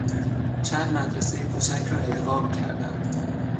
چند مدرسهی کوچک را ادغام کردن